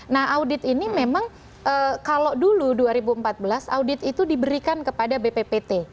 nah audit ini memang kalau dulu dua ribu empat belas audit itu diberikan kepada bppt